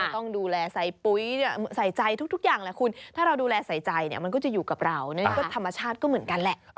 ต้องดูแบบบัวมันจะมีหอย